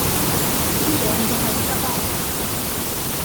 Sie werden bereits erwartet.